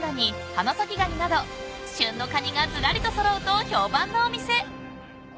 花咲ガニなど旬のカニがずらりと揃うと評判のお店］